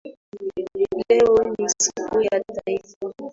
Leo ni siku ya taifa